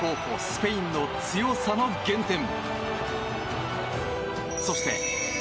スペインの強さの原点。